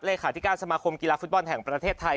เลขาธิการสมาคมกีฬาฟุตบอลแห่งประเทศไทย